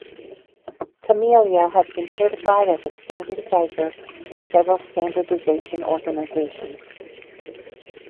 Camellia has been certified as a standard cipher by several standardization organizations.